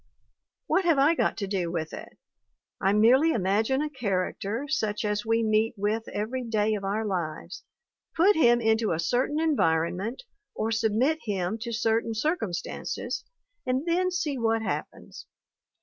What have I got to do with it? I merely imagine a character such as we meet with every day of our lives, put him into a certain environment, or submit him to certain circumstances, and then see what happens.